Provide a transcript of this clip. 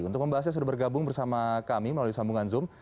untuk membahasnya sudah bergabung bersama kami melalui sambungan zoom